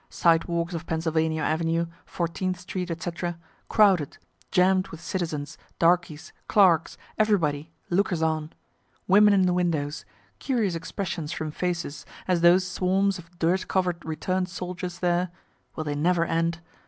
Sidewalks of Pennsylvania avenue, Fourteenth street, &c., crowded, jamm'd with citizens, darkies, clerks, everybody, lookers on; women in the windows, curious expressions from faces, as those swarms of dirt cover'd return'd soldiers there (will they never end?)